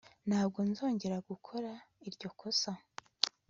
ntabwo nzongera gukora iryo kosa